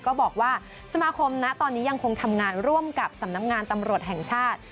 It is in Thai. ก็บอกว่าสมาคมนะตอนนี้ยังคงทำงานร่วมกับสำนักงานตำรวจแห่งชาติ